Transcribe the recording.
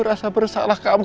rasa bersalah kamu